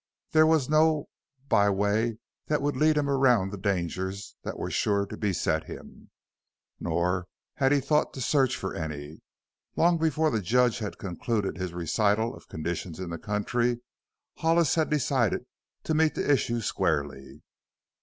There was no by way that would lead him around the dangers that were sure to beset him. Nor had he thought to search for any. Long before the judge had concluded his recital of conditions in the county Hollis had decided to meet the issue squarely.